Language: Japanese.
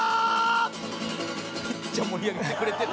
「めっちゃ盛り上げてくれてる」